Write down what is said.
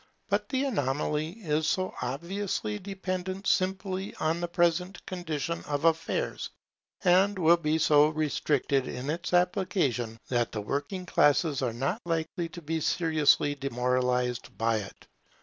But the anomaly is so obviously dependent simply on the present condition of affairs, and will be so restricted in its application, that the working classes are not likely to be seriously demoralized by it.